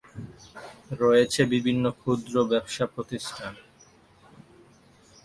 রয়েছে বিভিন্ন ক্ষুদ্র ব্যবসা প্রতিষ্ঠান।